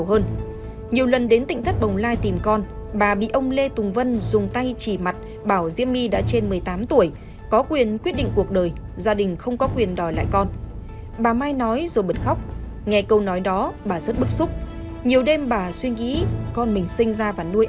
hiện vụ tinh thất bồng lai vẫn đang được cơ quan chức năng tiếp tục điều tra xử lý